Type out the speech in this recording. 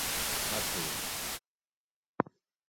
متھول